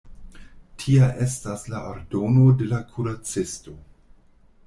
Tia estas la ordono de la kuracisto.